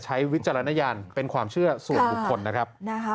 วิจารณญาณเป็นความเชื่อส่วนบุคคลนะครับ